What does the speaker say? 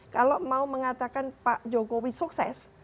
kalau mau mengatakan pak jokowi sukses